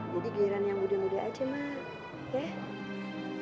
jadi kirain yang muda muda aja mak